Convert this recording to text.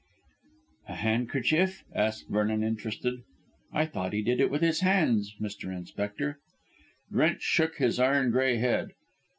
"A handkerchief?" asked Vernon interested. "I thought he did it with his hands, Mr. Inspector?" Drench shook his iron grey head.